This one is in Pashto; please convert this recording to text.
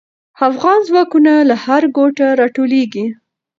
افغان ځواکونه له هر ګوټه راټولېږي.